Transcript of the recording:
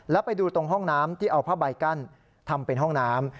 แล้วไปดูตรงห้องน้ำที่เอาผ้าใบกั้นทำเป็นห้องน้ำ